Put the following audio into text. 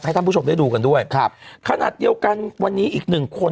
ให้ท่านผู้ชมได้ดูกันด้วยครับขณะเดียวกันวันนี้อีก๑คน